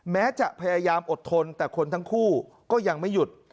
แม้จะพยายามอดทนแต่คนทั้งคู่ก็ยังไม่หยุด